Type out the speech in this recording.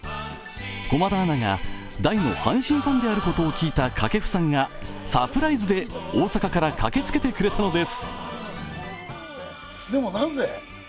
駒田アナが大の阪神ファンであることを聞いた掛布さんがサプライズで大阪から駆けつけてくれたのです。